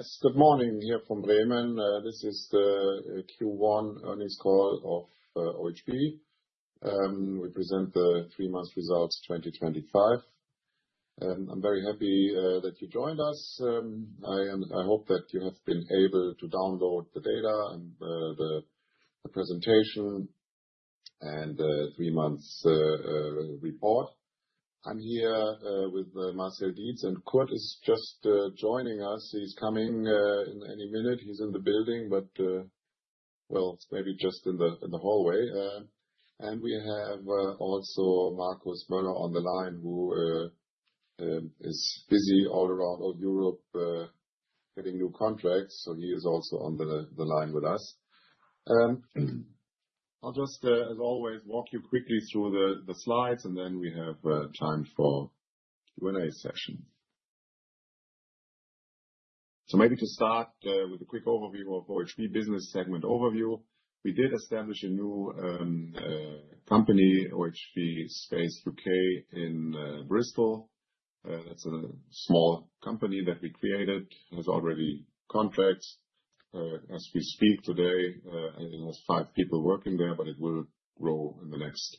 Yes, good morning here from Bremen. This is the Q1 earnings call of OHB. We present the three months results 2025. I'm very happy that you joined us. I hope that you have been able to download the data and the presentation. And the three months report. I'm here with Marcel Dietz, and Kurt is just joining us. He's coming in any minute. He's in the building, but well, maybe just in the hallway. And we also have Markus Moeller on the line who is busy all around Europe, getting new contracts, so he is also on the line with us. I'll just, as always, walk you quickly through the slides, and then we have time for Q&A session. So maybe to start, with a quick overview of OHB business segment overview, we did establish a new company, OHB Space UK, in Bristol. That's a small company that we created, has already contracts, as we speak today, and it has five people working there, but it will grow in the next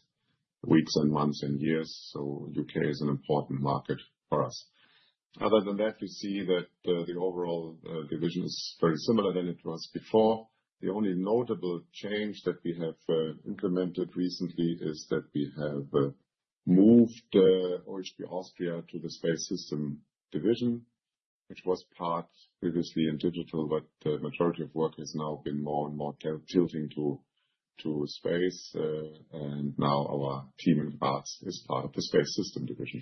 weeks and months and years, so U.K. is an important market for us. Other than that, you see that the overall division is very similar than it was before. The only notable change that we have implemented recently is that we have moved OHB Austria to the Space Systems division, which was part previously in Digital, but the majority of work has now been more and more tilting to space, and now our team in Bath is part of the Space Systems division.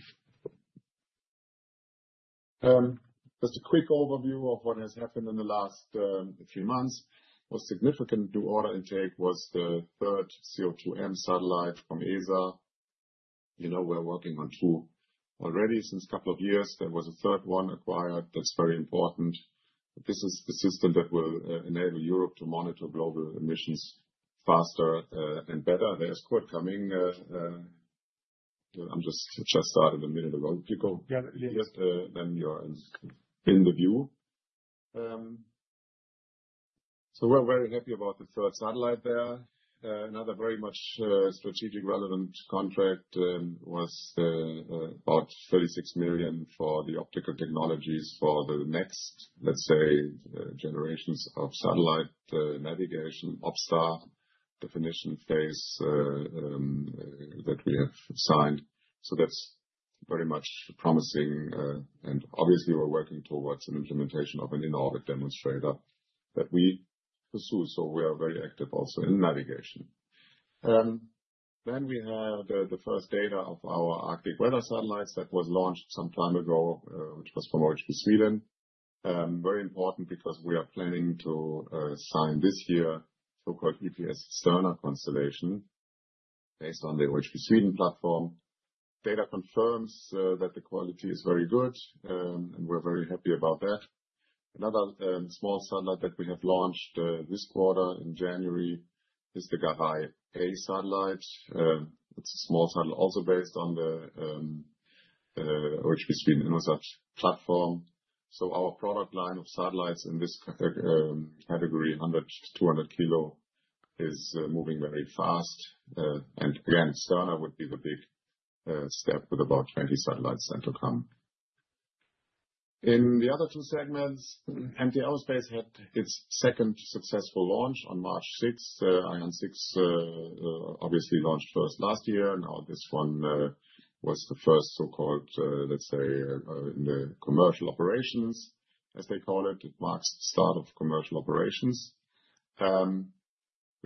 Just a quick overview of what has happened in the last three months. What's significant to order intake was the 3rd CO2M satellite from ESA. You know, we're working on two already since a couple of years. There was a 3rd one acquired. That's very important. This is the system that will enable Europe to monitor global emissions faster and better. There's Kurt coming. I'm just started a minute ago. You go? Yeah, yeah. Yes, then you're in the view. So we're very happy about the 3rd satellite there. Another very much strategic relevant contract was about 36 million for the optical technologies for the next, let's say, generations of satellite navigation, OpSTAR definition phase, that we have signed. So that's very much promising, and obviously we're working towards an implementation of an in-orbit demonstrator that we pursue, so we are very active also in navigation. Then we have the 1st data of our Arctic Weather Satellite that was launched some time ago, which was from OHB Sweden. Very important because we are planning to sign this year the so-called EPS-Sterna constellation. Based on the OHB Sweden platform. Data confirms that the quality is very good, and we're very happy about that. Another small satellite that we have launched this quarter in January is the Garai A satellite. It's a small satellite also based on the OHB Sweden InnoSat platform. So our product line of satellites in this category 100-200 kg is moving very fast, and again, Sterna would be the big step with about 20 satellites set to come. In the other two segments, MT Aerospace had its 2nd successful launch on March 6th. Ariane 6 obviously launched 1st last year, and now this one was the 1st so-called, let's say, in the commercial operations, as they call it. It marks the start of commercial operations. We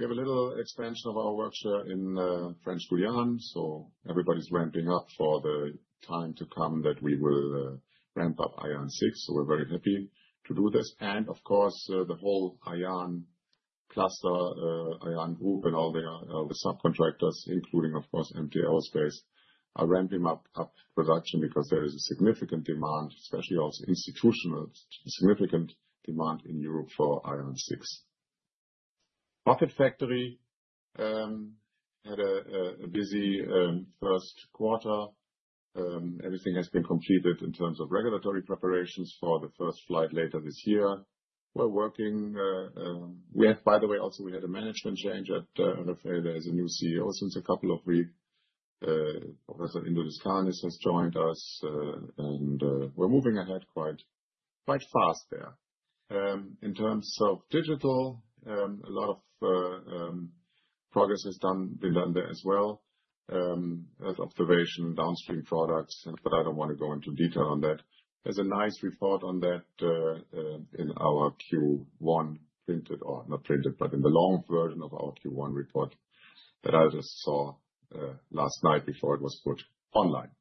have a little expansion of our workshare in French Guiana, so everybody's ramping up for the time to come that we will ramp up Ariane 6, so we're very happy to do this. Of course, the whole Ariane cluster, ArianeGroup and all the subcontractors, including, of course, MT Aerospace, are ramping up production because there is a significant demand, especially also institutional, significant demand in Europe for Ariane 6. Rocket Factory Augsburg had a busy 1st quarter. Everything has been completed in terms of regulatory preparations for the 1st flight later this year. We're working, we have, by the way, also we had a management change at RFA. There's a new CEO since a couple of weeks. Professor Indulis Kalnins has joined us, and we're moving ahead quite fast there. In terms of digital, a lot of progress has been done there as well. As observation, downstream products, and but I don't want to go into detail on that. There's a nice report on that, in our Q1 printed or not printed, but in the long version of our Q1 report that I just saw last night before it was put online.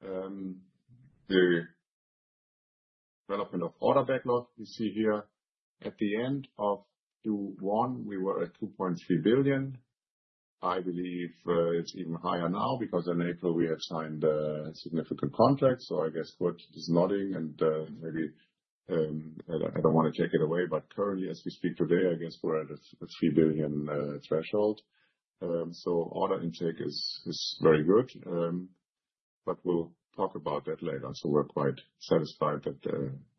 The development of order backlog you see here. At the end of Q1 we were at 2.3 billion. I believe it's even higher now because in April we had signed significant contracts, so I guess Kurt is nodding and maybe I don't want to take it away, but currently as we speak today, I guess we're at a 3 billion threshold, so order intake is very good. But we'll talk about that later, so we're quite satisfied that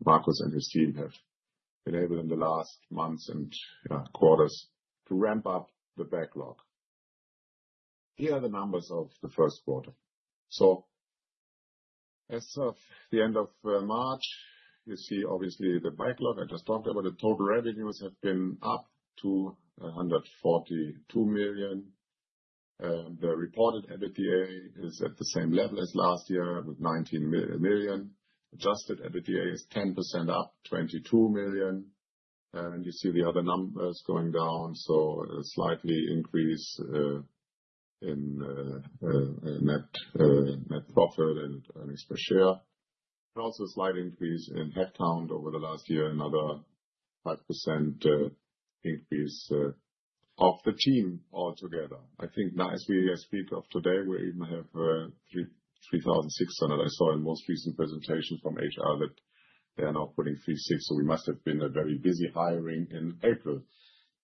Markus and his team have been able in the last months and yeah quarters to ramp up the backlog. Here are the numbers of the first quarter. So. As of the end of March, you see obviously the backlog I just talked about. The total revenues have been up to 142 million. The reported EBITDA is at the same level as last year with 19 million. Adjusted EBITDA is 10% up, 22 million. And you see the other numbers going down, so a slight increase in net profit and earnings per share. But also a slight increase in headcount over the last year, another 5% increase of the team altogether. I think now as we speak today, we even have 3,600. I saw in the most recent presentation from HR that they are now putting 3,600, so we must have been very busy hiring in April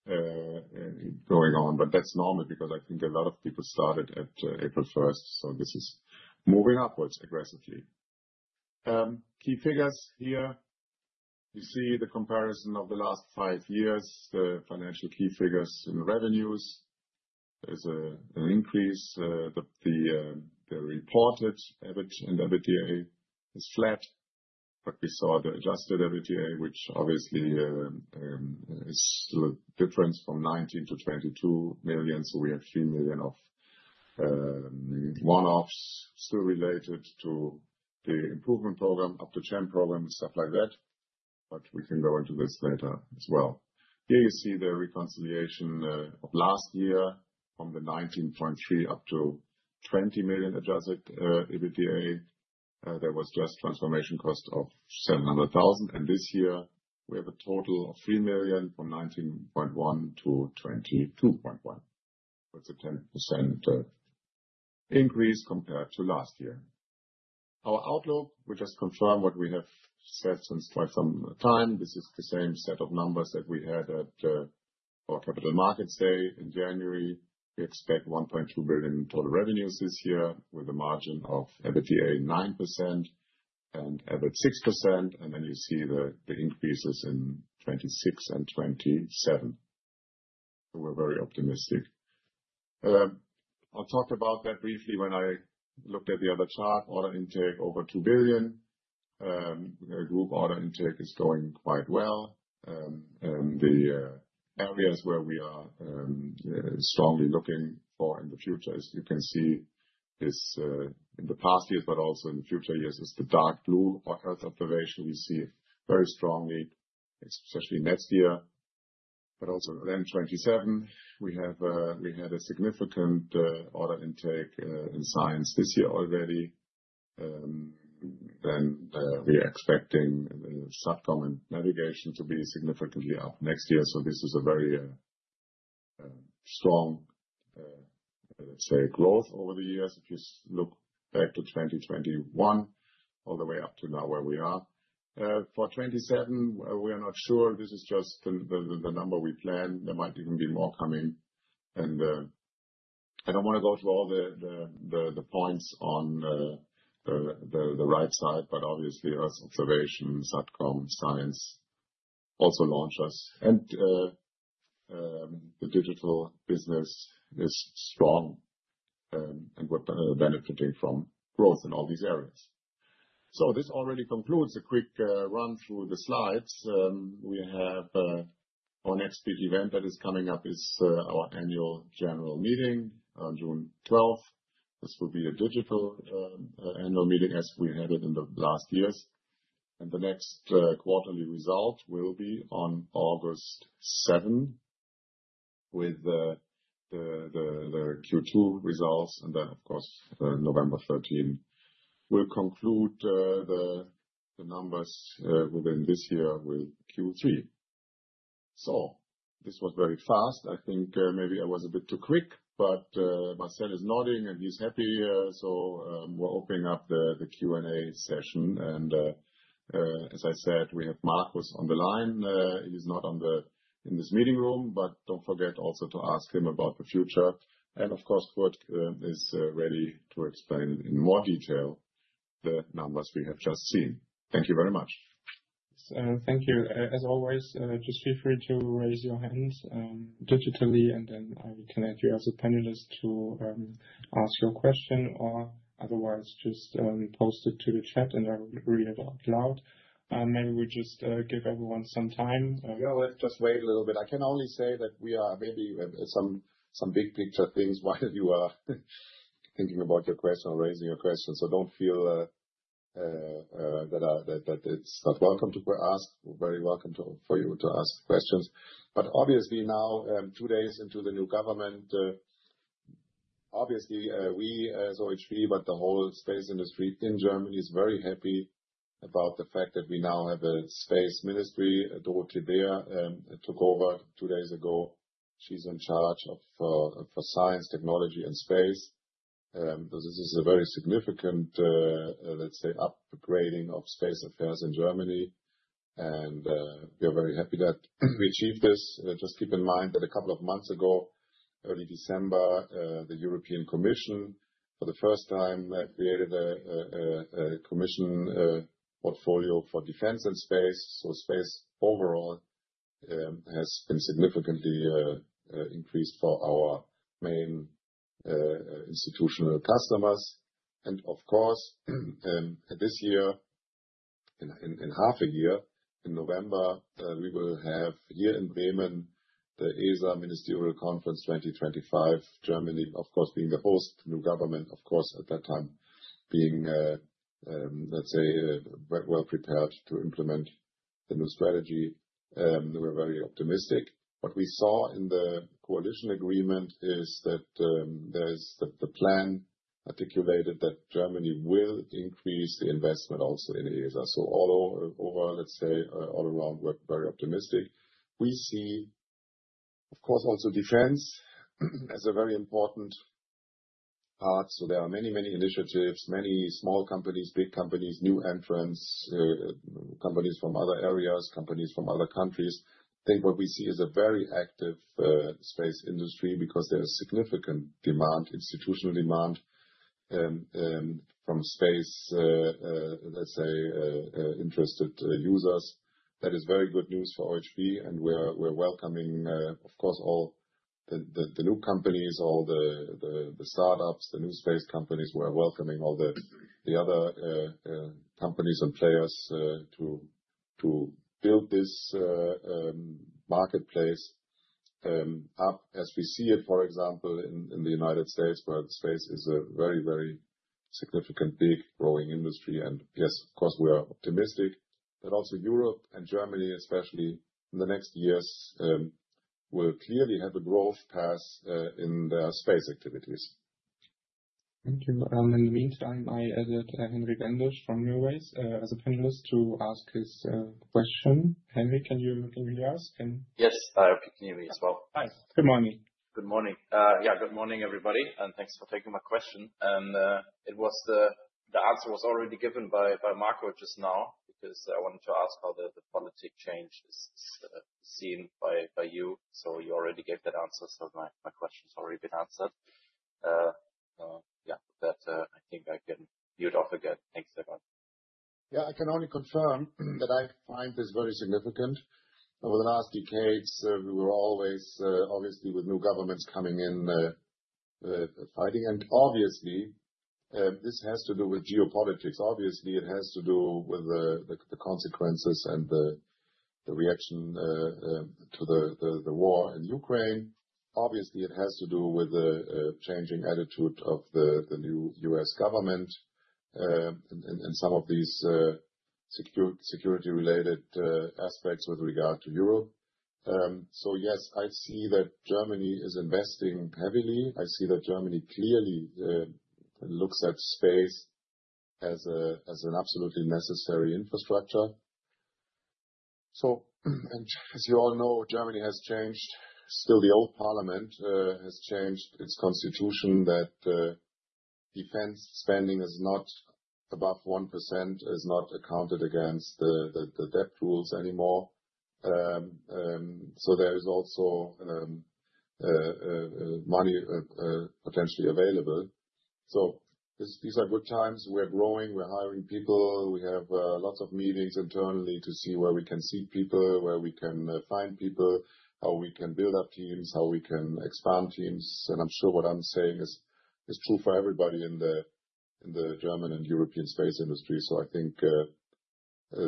going on, but that's normal because I think a lot of people started at April 1st, so this is moving upwards aggressively. Key figures here. You see the comparison of the last five years, the financial key figures and revenues. There's an increase, the reported EBIT and EBITDA is flat. But we saw the adjusted EBITDA, which obviously is still a difference from 19 million-22 million, so we have 3 million of one-offs still related to the improvement program, up to CHEM program and stuff like that. But we can go into this later as well. Here you see the reconciliation of last year from the 19.3 million up to 20 million adjusted EBITDA. There was just transformation cost of 700,000, and this year we have a total of 3 million from 19.1 million-22.1 million. So it's a 10% increase compared to last year. Our outlook, we just confirm what we have said since quite some time. This is the same set of numbers that we had at our capital markets day in January. We expect 1.2 billion total revenues this year with a margin of EBITDA 9% and EBITDA 6%, and then you see the increases in 2026 and 2027. So we're very optimistic. I'll talk about that briefly when I looked at the other chart, order intake over 2 billion. Group order intake is going quite well. The areas where we are strongly looking for in the future is you can see is, in the past years, but also in the future years is the dark blue or Earth observation we see very strongly, especially next year. But also then 2027 we have, we had a significant order intake in science this year already. Then, we are expecting the satcom and navigation to be significantly up next year, so this is a very strong, let's say, growth over the years. If you look back to 2021 all the way up to now where we are. For 2027 we are not sure. This is just the number we plan. There might even be more coming. I don't want to go through all the points on the right side, but obviously Earth observation, satcom, science. Also launchers and the digital business is strong. We're benefiting from growth in all these areas. So this already concludes a quick run through the slides. We have our next big event that is coming up is our annual general meeting on June 12th. This will be a digital annual meeting as we had it in the last years. The next quarterly result will be on August 7th. With the Q2 results and then, of course, November 13th. We'll conclude the numbers within this year with Q3. So this was very fast. I think maybe I was a bit too quick, but Marcel is nodding and he's happy, so we're opening up the Q&A session and, as I said, we have Markus on the line. He's not in this meeting room, but don't forget also to ask him about the future and, of course, Kurt is ready to explain in more detail the numbers we have just seen. Thank you very much. Thank you. As always, just feel free to raise your hands digitally, and then I can add you as a panelist to ask your question or otherwise just post it to the chat and I'll read it out loud. Maybe we just give everyone some time. Yeah, let's just wait a little bit. I can only say that we are maybe at some big picture things while you are thinking about your question or raising your question, so don't feel that it's not welcome to ask. Very welcome for you to ask questions, but obviously now, two days into the new government. Obviously, we, as OHB, but the whole space industry in Germany is very happy about the fact that we now have a space ministry. Dorothee Bär took over two days ago. She's in charge of science, technology, and space. So this is a very significant, let's say, upgrading of space affairs in Germany. We are very happy that we achieved this. Just keep in mind that a couple of months ago, early December, the European Commission for the first time created a Commission portfolio for defense and space, so space overall has been significantly increased for our main institutional customers. And of course, this year. In half a year in November, we will have here in Bremen the ESA Ministerial Conference 2025 Germany, of course, being the host new government, of course, at that time being, let's say, well prepared to implement the new strategy, we're very optimistic, but we saw in the coalition agreement is that, there's the plan articulated that Germany will increase the investment also in ESA, so although overall, let's say, all around we're very optimistic, we see. Of course, also defense as a very important. Part, so there are many, many initiatives, many small companies, big companies, new entrants, companies from other areas, companies from other countries. I think what we see is a very active space industry because there's significant demand, institutional demand from space, let's say, interested users. That is very good news for OHB and we're welcoming, of course, all the new companies, all the startups, the new space companies. We're welcoming all the other companies and players to build this marketplace up as we see it, for example, in the United States, where space is a very, very significant big growing industry and yes, of course, we are optimistic, but also Europe and Germany, especially in the next years, will clearly have a growth path in their space activities. Thank you. In the meantime, I added Henry Bendish from NuWays as a panelist to ask his question. Henry, can you ask? Yes, I can hear you as well. Hi, good morning. Good morning. Yeah, good morning, everybody, and thanks for taking my question and, it was the answer was already given by Marco just now because I wanted to ask how the political change is seen by you, so you already gave that answer, so my question's already been answered. Yeah, that, I think I can mute off again. Thanks everyone. Yeah, I can only confirm that I find this very significant. Over the last decades, we were always, obviously with new governments coming in, fighting and obviously, this has to do with geopolitics. Obviously, it has to do with the consequences and the. The reaction to the war in Ukraine. Obviously, it has to do with the changing attitude of the new U.S. government and some of these security-related aspects with regard to Europe. So yes, I see that Germany is investing heavily. I see that Germany clearly looks at space as an absolutely necessary infrastructure. So, as you all know, Germany has changed. Still the old parliament has changed its constitution that defense spending above 1% is not accounted against the debt rules anymore. So there is also money potentially available. So these are good times. We're growing. We're hiring people. We have lots of meetings internally to see where we can find people, how we can build up teams, how we can expand teams, and I'm sure what I'm saying is. It's true for everybody in the German and European space industry, so I think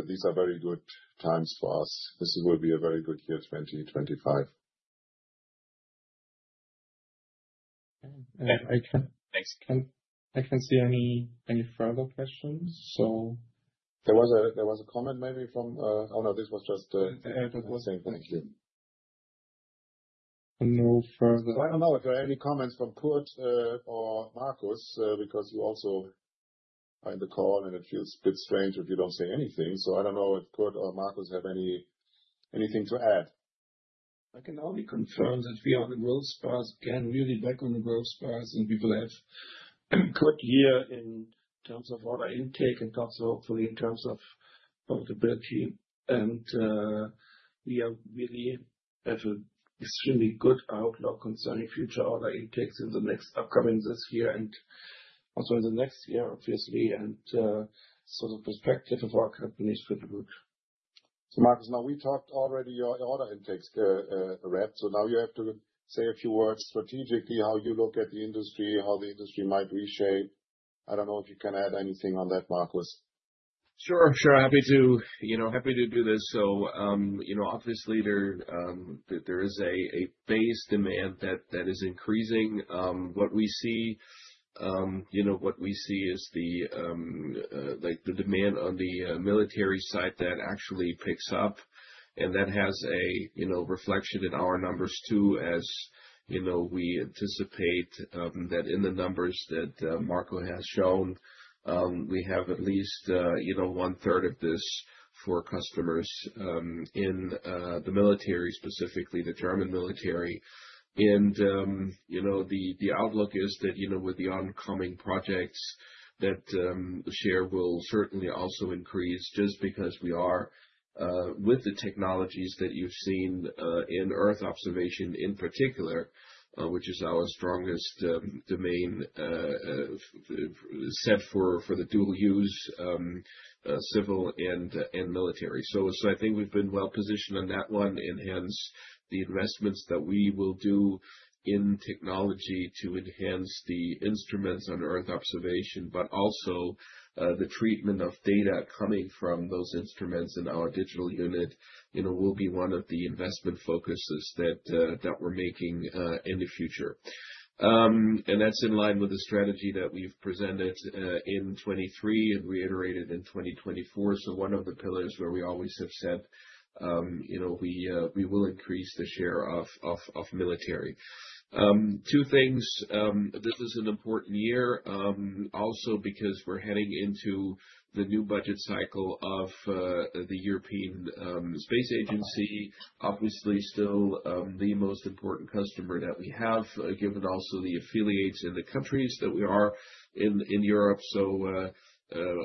these are very good times for us. This will be a very good year, 2025. Okay, I can. Thanks. I can't see any further questions, so. There was a comment maybe from, oh no, this was just the same thank you. No further. I don't know if there are any comments from Kurt or Markus because you also are in the call and it feels a bit strange if you don't say anything, so I don't know if Kurt or Markus have anything to add. I can only confirm that we are on the growth spurt again, really back on the growth spurt, and we will have. Good year in terms of order intake and also hopefully in terms of profitability and. We are really have an extremely good outlook concerning future order intakes in the next upcoming this year and. Also in the next year, obviously, and, sort of perspective of our companies with the root. So, Markus, now we talked already your order intakes, wrapped, so now you have to say a few words strategically how you look at the industry, how the industry might reshape. I don't know if you can add anything on that, Markus. Sure, sure, happy to, you know, happy to do this, so, you know, obviously there is a base demand that is increasing, what we see. You know, what we see is the, like the demand on the military side that actually picks up. And that has a, you know, reflection in our numbers too, as. You know, we anticipate that in the numbers that Marco has shown, we have at least, you know, 1/3 of this for customers in the military, specifically the German military. And you know, the outlook is that, you know, with the oncoming projects that share will certainly also increase just because we are with the technologies that you've seen in Earth observation in particular, which is our strongest domain set for the dual use, civil and military, so I think we've been well positioned on that one and hence the investments that we will do in technology to enhance the instruments on Earth observation, but also the treatment of data coming from those instruments in our digital unit, you know, will be 1 of the investment focuses that we're making in the future. That's in line with the strategy that we've presented in 2023 and reiterated in 2024, so one of the pillars where we always have said, you know, we will increase the share of military. Two things, this is an important year, also because we're heading into the new budget cycle of the European Space Agency, obviously still the most important customer that we have, given also the affiliates in the countries that we are in in Europe, so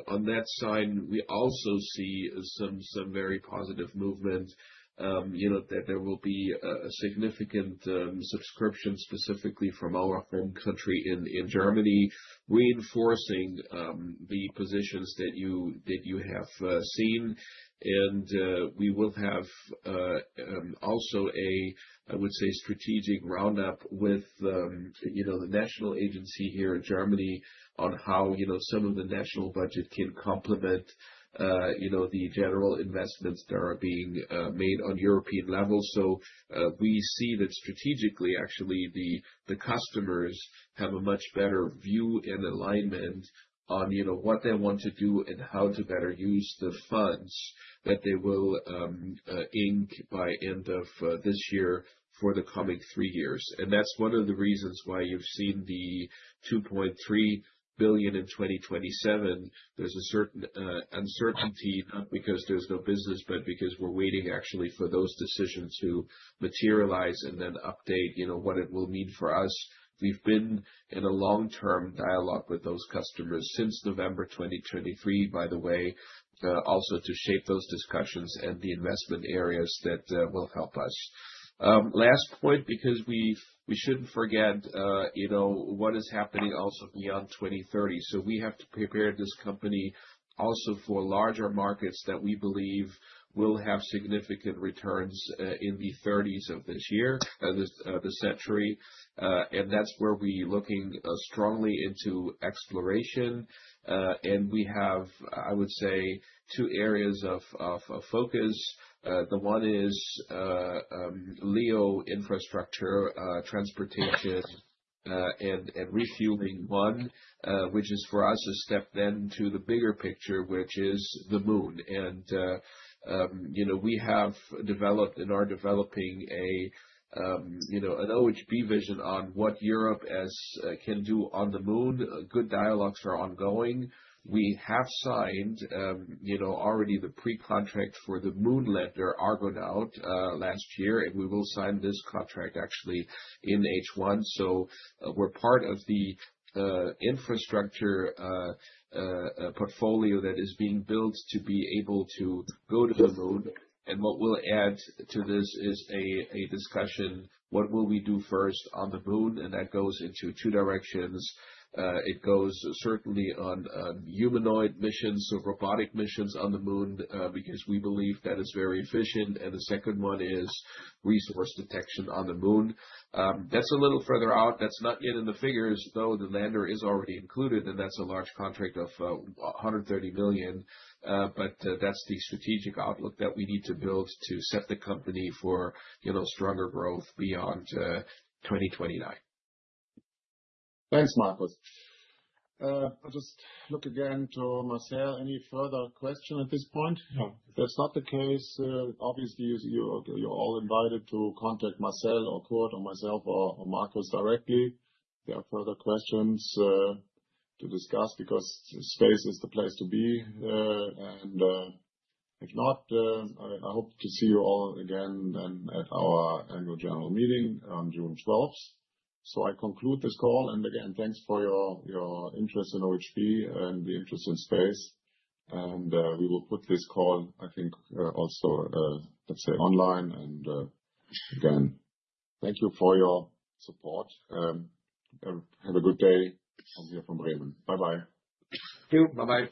on that side, we also see some very positive movement, you know, that there will be a significant subscription specifically from our home country in Germany, reinforcing the positions that you have seen, and we will have also a, I would say, strategic roundup with, you know, the national agency here in Germany on how, you know, some of the national budget can complement. You know, the general investments that are being made on European level, so we see that strategically actually the customers have a much better view and alignment. On, you know, what they want to do and how to better use the funds that they will ink by end of this year for the coming three years, and that's one of the reasons why you've seen the 2.3 billion in 2027. There's a certain uncertainty, not because there's no business, but because we're waiting actually for those decisions to materialize and then update, you know, what it will mean for us. We've been in a long term dialogue with those customers since November 2023, by the way, also to shape those discussions and the investment areas that will help us. Last point, because we shouldn't forget, you know, what is happening also beyond 2030, so we have to prepare this company also for larger markets that we believe will have significant returns in the 30's of this century, and that's where we looking strongly into exploration. And we have, I would say, two areas of focus. The one is LEO infrastructure, transportation and refueling one, which is for us a step then to the bigger picture, which is the moon and, you know, we have developed in our developing a you know an OHB vision on what Europe can do on the moon. Good dialogues are ongoing. We have signed, you know, already the pre-contract for the moon lander Argonaut last year, and we will sign this contract actually in H1, so we're part of the infrastructure portfolio that is being built to be able to go to the moon, and what we'll add to this is a discussion. What will we do first on the moon? And that goes into two directions. It goes certainly on humanoid missions, so robotic missions on the moon, because we believe that is very efficient, and the second one is resource detection on the moon. That's a little further out. That's not yet in the figures, though the lander is already included, and that's a large contract of 130 million. But that's the strategic outlook that we need to build to set the company for, you know, stronger growth beyond 2029. Thanks, Markus. I'll just look again to Marcel any further question at this point. Yeah, if that's not the case, obviously you you you're all invited to contact Marcel or Kurt or myself or or Markus directly. There are further questions to discuss because space is the place to be, and if not, I I hope to see you all again then at our annual general meeting on June 12th. So I conclude this call and again, thanks for your your interest in OHB and the interest in space. And we will put this call, I think, also, let's say online and again, thank you for your support. Have a good day from here from Bremen. Bye bye. You, bye bye.